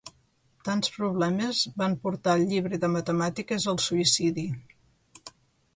Tants problemes van portar el llibre de matemàtiques al suïcidi.